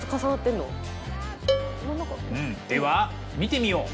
では見てみよう。